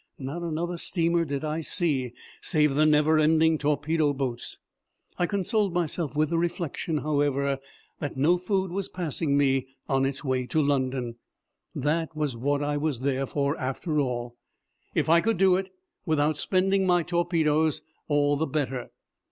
Not another steamer did I see, save the never ending torpedo boats. I consoled myself with the reflection, however, that no food was passing me on its way to London. That was what I was there for, after all. If I could do it without spending my torpedoes, all the better.